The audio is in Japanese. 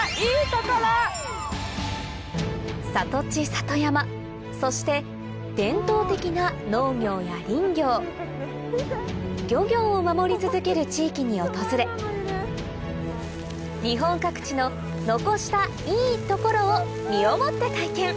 里地里山そして伝統的な農業や林業漁業を守り続ける地域に訪れ日本各地の「残したいトコロ」を身をもって体験